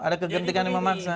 ada kegentingan yang memaksa